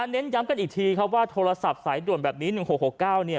เน้นย้ำกันอีกทีครับว่าโทรศัพท์สายด่วนแบบนี้๑๖๖๙เนี่ย